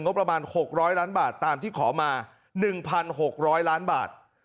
ประมาณ๖๐๐ล้านบาทตามที่ขอมา๑๖๐๐ล้านบาท